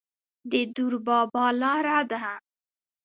د دور بابا لاره ده